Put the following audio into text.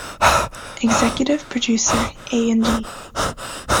Executive Producer, A and E.